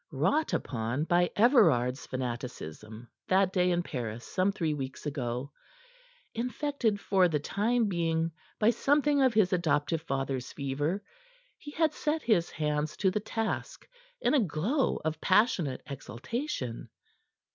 Wrought upon by Everard's fanaticism that day in Paris some three weeks ago, infected for the time being by something of his adoptive father's fever, he had set his hands to the task in a glow of passionate exaltation.